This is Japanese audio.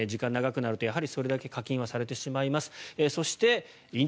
時間が長くなるとやはりそれだけ課金されてしまいます。